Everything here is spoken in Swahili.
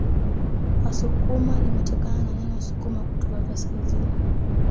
Wasukuma limetokana na neno sukuma kutoka kaskazini